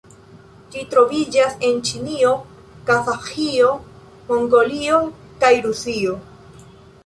Ĝi troviĝas en Ĉinio, Kazaĥio, Mongolio kaj Rusio.